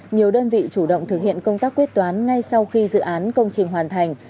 nhiều đơn vị chủ động thực hiện công tác quyết toán ngay sau khi dự án công trình hoàn thành